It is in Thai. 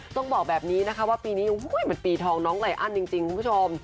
ต้องบอกแบบนี้นะคะว่าปีนี้มันปีทองน้องไลอันจริงคุณผู้ชม